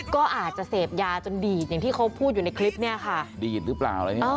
ก็อาจจะเสพยาจนดีดอย่างที่เขาพูดอยู่ในคลิปนี้ค่ะ